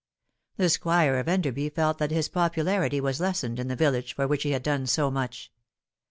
The Squire of Enderby felt that his popularity was lessened in the village for which he had done so much.